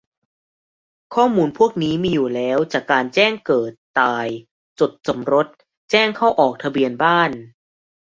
ข้อมูลพวกนี้มีอยู่แล้วจากการแจ้งเกิด-ตาย จดสมรส แจ้งเข้าออกทะเบียนบ้าน